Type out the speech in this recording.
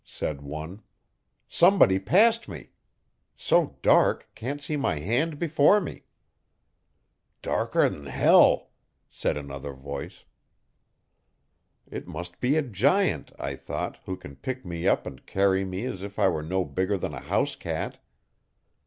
said one. 'Somebody passed me. So dark can't see my hand before me. 'Darker than hell!' said another voice. It must be a giant, I thought, who can pick me up and carry me as if I were no bigger than a house cat.